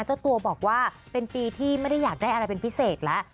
เจ้าตัวบอกว่าเป็นปีที่ไม่ได้อยากได้อะไรเป็นพิเศษแล้ว